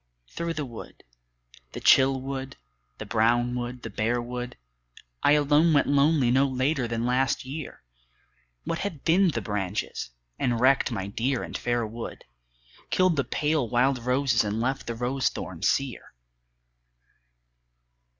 Through the wood, the chill wood, the brown wood, the bare wood, I alone went lonely no later than last year, What had thinned the branches, and wrecked my dear and fair wood, Killed the pale wild roses and left the rose thorns sere ?